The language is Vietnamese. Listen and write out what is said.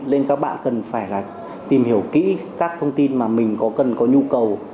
nên các bạn cần phải tìm hiểu kỹ các thông tin mà mình cần có nhu cầu